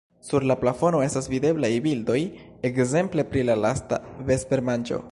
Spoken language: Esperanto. Sur la plafono estas videblaj bildoj ekzemple pri La lasta vespermanĝo.